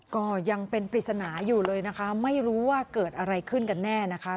ก็ยังเป็นปริศนาอยู่เลยนะคะไม่รู้ว่าเกิดอะไรขึ้นกันแน่นะคะ